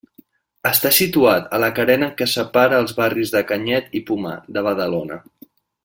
Està situat a la carena que separa els barris de Canyet i Pomar, de Badalona.